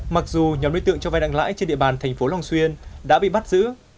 mặc dù nhóm đối tượng cho vai nặng lãi trên địa bàn thành phố long xuyên đã bị bắt giữ